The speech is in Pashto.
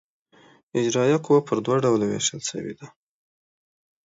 اجرائیه قوه پر دوه ډوله وېشل سوې ده.